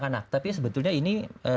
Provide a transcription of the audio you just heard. untuk anak anak tapi sebetulnya ini